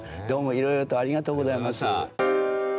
どうもいろいろとありがとうございます。